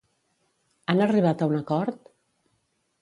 Han arribat a un acord?